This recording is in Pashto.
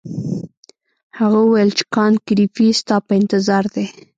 هغه وویل کانت ګریفي ستا په انتظار دی.